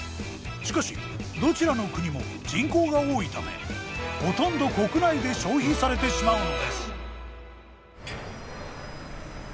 しかしどちらの国も人口が多いためほとんど国内で消費されてしまうのです。